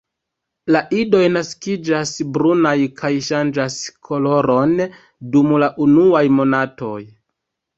La idoj naskiĝas brunaj kaj ŝanĝas koloron dum la unuaj monatoj.